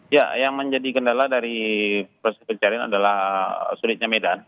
ya yang menjadi kendala dari proses pencarian adalah sulitnya medan